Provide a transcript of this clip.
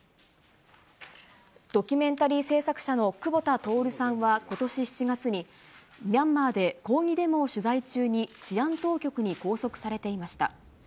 ドキュメンタリー制作者の久保田徹さんは、ことし７月に、ミャンマーで抗議デモを取材中に、治安当局に拘束されていました。